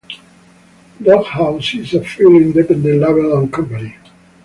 Doghouse is a fully independent label and company.